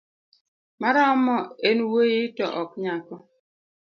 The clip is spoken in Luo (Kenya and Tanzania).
Maromo en wuoyi to ok nyako